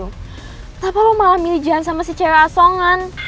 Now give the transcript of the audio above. kenapa lo malah milih jalan sama si cewek asongan